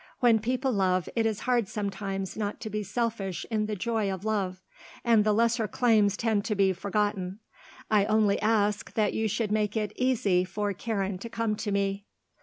When people love, it is hard sometimes not to be selfish in the joy of love, and the lesser claims tend to be forgotten. I only ask that you should make it easy for Karen to come to me."